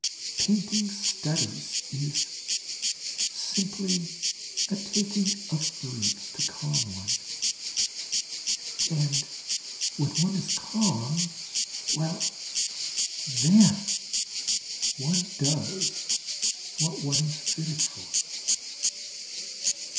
Painting studies is simply a taking of herbs to calm one, and when one is calm, well ... then one does what one is fitted for.